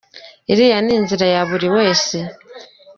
Iriya ni inzira ya buri wese.